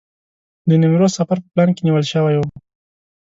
د نیمروز سفر په پلان کې نیول شوی و.